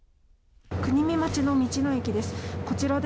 国見町の道の駅です。